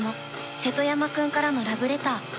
瀬戸山君からのラブレター。